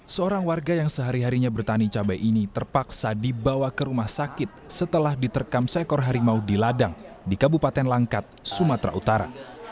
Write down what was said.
seorang warga yang sehari harinya bertani cabai ini terpaksa dibawa ke rumah sakit setelah diterkam seekor harimau di ladang di kabupaten langkat sumatera utara